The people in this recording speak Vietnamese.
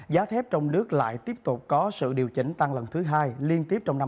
giá thép trong nước lại tiếp tục có sự điều chỉnh tăng lần thứ hai liên tiếp trong năm hai nghìn hai mươi